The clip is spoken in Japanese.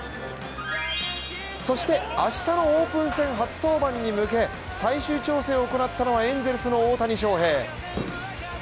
そして、明日のオープン戦初登板に向け、最終調整を行ったのはエンゼルスの大谷翔平。